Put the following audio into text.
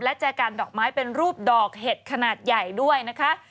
และแจกันดอกไม้เป็นรูปดอกเห็ดขนาดใหญ่ด้วยนะคะ